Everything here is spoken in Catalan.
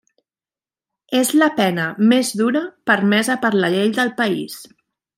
És la pena més dura permesa per la llei del país.